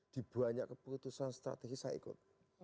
di banyak keputusan strategi saya ikut